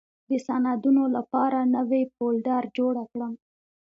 د سندونو لپاره نوې فولډر جوړه کړم.